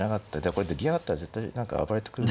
これで銀上がったら絶対何か暴れてくる。